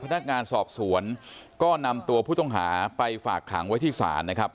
พนักงานสอบสวนก็นำตัวผู้ต้องหาไปฝากขังไว้ที่ศาลนะครับ